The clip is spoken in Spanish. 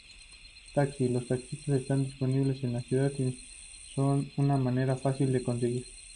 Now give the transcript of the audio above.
Taxi:Los taxis están disponibles en la ciudad y son una manera fácil de conseguir.